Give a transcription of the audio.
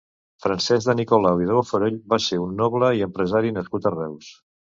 Francesc de Nicolau i de Bofarull va ser un noble i empresari nascut a Reus.